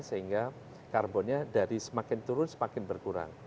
sehingga karbonnya dari semakin turun semakin berkurang